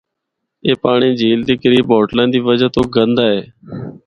اے پانڑی جھیل دے قریب ہوٹلاں دی وجہ تو گندا اے۔